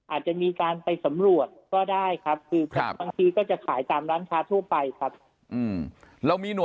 อาจจะมีการไปสำรวจก็ได้ครับคือบางทีก็จะขายตามร้านค้าทั่วไปครับ